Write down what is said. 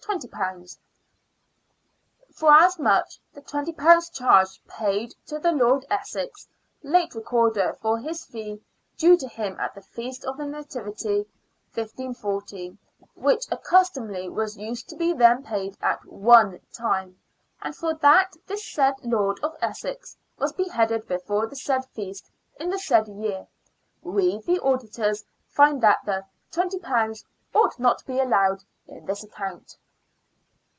[Note by the Auditors] " Forasmuch the £20 charged paid to the Lord Essex, late Recorder, for his fee due to him at the Feast of the Nativity, 1540, which accustomally was used to be then paid at won time, and for that this said Lord of Essex was beheaded before the said feast in the said year, we the Auditors find that the £20 ought not to be allowed in this account."